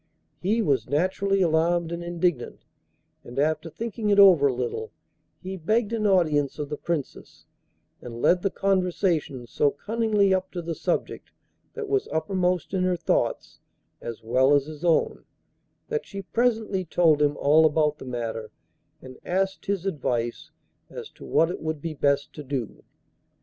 He was naturally alarmed and indignant, and, after thinking it over a little, he begged an audience of the Princess, and led the conversation so cunningly up to the subject that was uppermost in her thoughts, as well as his own, that she presently told him all about the matter and asked his advice as to what it would be best to do.